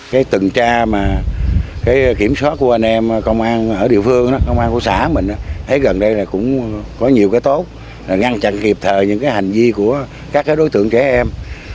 cái từng tra mà cái kiểm soát của anh em công an ở địa phương công an của xã mình thấy gần đây là cũng có nhiều cái tốt ngăn chặn kịp thời những cái hành vi của các đối tượng trẻ em